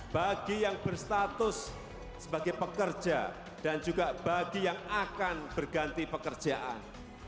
bagi yang berstatus sebagai pekerja dan juga bagi yang akan berganti pekerjaan